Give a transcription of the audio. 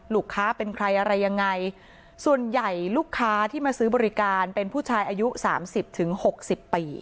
ลูกค้าเป็นใครอะไรยังไงส่วนใหญ่ลูกค้าที่มาซื้อบริการเป็นผู้ชายอายุสามสิบถึงหกสิบปี